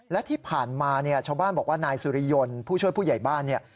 และที่ผ่านมาเนี่ยชาวบ้านบอกว่านายสุริยนต์ผู้ช่วยผู้ใหญ่บ้านเนี่ย